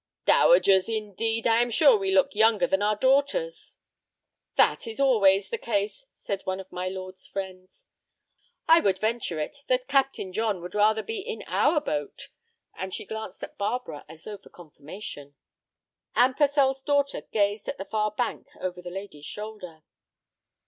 "Dowagers, indeed! I am sure we look younger than our daughters." "That is always the case," said one of my lord's friends. "I would venture it that Captain John would rather be in our boat," and she glanced at Barbara as though for confirmation. Anne Purcell's daughter gazed at the far bank over the lady's shoulder.